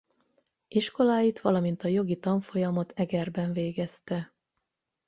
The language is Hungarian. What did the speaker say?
Iskoláit valamint a jogi tanfolyamot Egerben végezte.